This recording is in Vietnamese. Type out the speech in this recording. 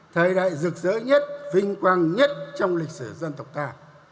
thời đại rực rỡ nhất vinh quang nhất trong lịch sử dân tộc ta